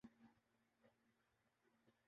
اب اگر اس جنگ کے اگلے مرحلے میں مسخ شدہ جہادی تصورات